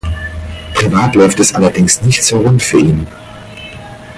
Privat läuft es allerdings nicht so rund für ihn.